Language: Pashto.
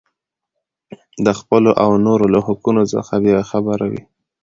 د خپلو او نورو له حقونو څخه بې خبره وي.